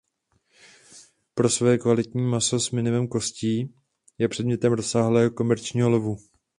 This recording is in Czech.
Pro své kvalitní maso s minimem kostí je předmětem rozsáhlého komerčního lovu.